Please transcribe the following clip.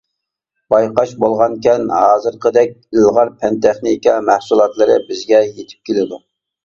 بايقاش بولغانكەن ھازىرقىدەك ئىلغار پەن-تېخنىكا مەھسۇلاتلىرى بىزگە يېتىپ كېلىدۇ.